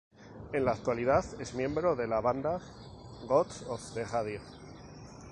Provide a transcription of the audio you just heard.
En la actualidad es miembro de la banda Gods of the Radio.